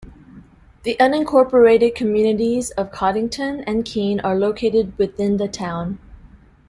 The unincorporated communities of Coddington and Keene are located within the town.